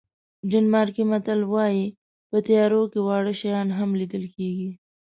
ډنمارکي متل وایي په تیارو کې واړه شیان هم لیدل کېږي.